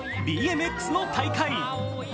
ＢＭＸの大会。